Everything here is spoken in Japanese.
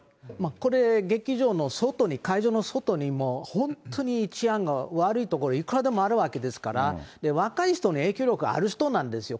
これ劇場の外に、会場の外にも本当に治安が悪い所、いくらでもあるわけですから、若い人の影響力ある人なんですよ。